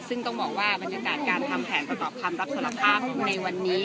ซึ่งต้องบอกว่าบรรยากาศการทำแผนประกอบคำรับสารภาพในวันนี้